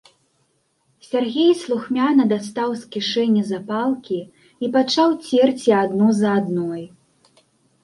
Сяргей слухмяна дастаў з кішэні запалкі і пачаў церці адну за адной.